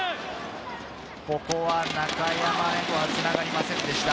ここは中山へとつながりませんでした。